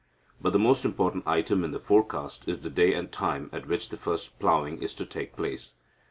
But the most important item in the forecast is the day and time at which the first ploughing is to take place.